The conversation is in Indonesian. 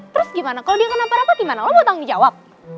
terus gimana kalau dia kenapa rapat gimana lo mau tanggung jawab